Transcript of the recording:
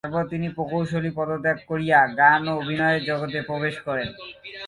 তারপর তিনি প্রকৌশলী পদত্যাগ করিয়া গান ও অভিনয়ের জগতে প্রবেশ করেন।